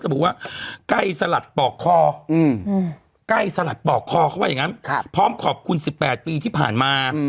บอกว่าใกล้สลัดปอกคอใกล้สลัดปอกคอเขาว่าอย่างนั้นพร้อมขอบคุณ๑๘ปีที่ผ่านมา